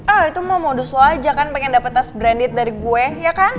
ah itu mau modus lo aja kan pengen dapat tas branded dari gue ya kan